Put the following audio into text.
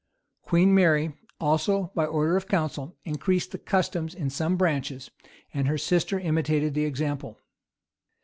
[] Queen Mary, also, by an order of council, increased the customs in some branches; and her sister imitated the example.